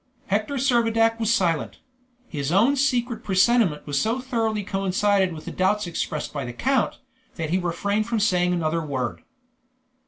Hector Servadac was silent; his own secret presentiment so thoroughly coincided with the doubts expressed by the count, that he refrained from saying another word.